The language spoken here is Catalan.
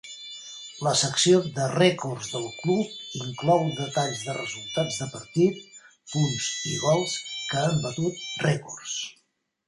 La secció de rècords del club inclou detalls de resultats de partit, punts i gols que han batut rècords.